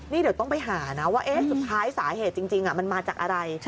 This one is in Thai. นี่เดี๋ยวต้องไปหานะว่าสุดท้ายสาเหตุจริงมันมาจากอะไร